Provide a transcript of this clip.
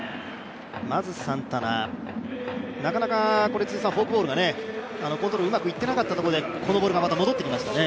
まずサンタナ、なかなかフォークボールがコントロールがうまくいってなかったところで、このボールが戻ってきましたね。